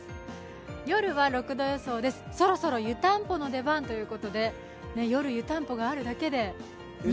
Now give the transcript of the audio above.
夜は６度予想です、そろそろ湯たんぽの出番ということで夜、湯たんぽがあるだけで。